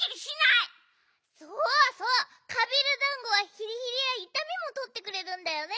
そうそうカビールだんごはヒリヒリやいたみもとってくれるんだよね。